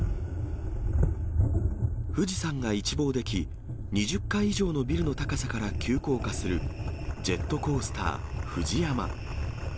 富士山が一望でき、２０階以上のビルの高さから急降下する、ジェットコースター、ＦＵＪＩＹＡＭＡ。